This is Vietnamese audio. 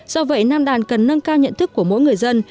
do vậy nam đàn cần nâng cao nhận thức của mỗi người dân